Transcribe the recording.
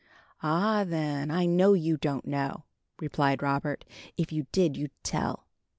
"Ah, then, I know you don't know," replied Robert; "if you did, you'd tell."